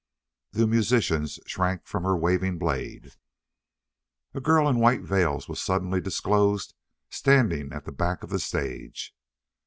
The musicians shrank from her waving blade. A girl in white veils was suddenly disclosed standing at the back of the stage.